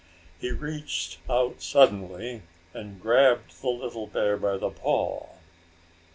He reached out suddenly and grabbed the little bear by the paw.